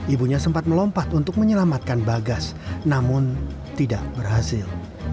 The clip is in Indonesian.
ibunya sempat melompat untuk menyelamatkan bagas namun tidak berhasil